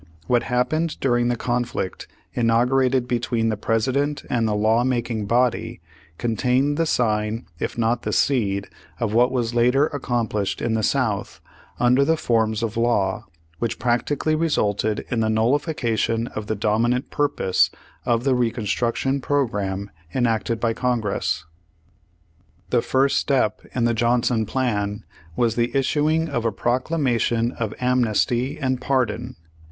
What happened during the conflict inaugurated between the President and the law making body, contained the sign if not the seed of what was later accom plished in the South under the forms of law, Avhich practically resulted in the nullification of the dominant purpose of the Reconstruction pro gram enacted by Congress. The first step in the Johnson plan was the issu ing of a "Proclamation of Amnesty and Pardon."